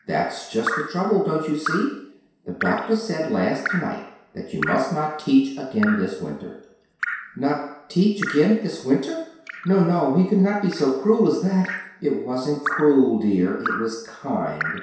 "That's just the trouble. Don't you see? The doctor said last night that you must not teach again this winter." "Not teach again this winter! No, no, he could not be so cruel as that!" "It wasn't cruel, dear; it was kind.